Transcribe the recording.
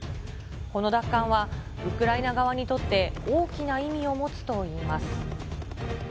この奪還はウクライナ側にとって大きな意味を持つといいます。